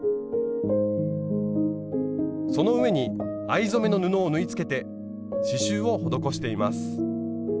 その上に藍染めの布を縫いつけて刺しゅうを施しています。